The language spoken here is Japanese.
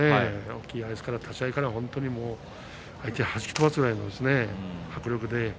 大きいですから立ち合いから相手をはじき飛ばすような迫力で。